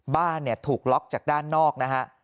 บ้านเนี่ยถูกล็อกจากด้านนอกนะฮะ